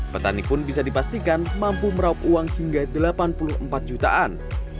petani pun bisa dipastikan mampu meraup uang hingga delapan puluh empat jutaan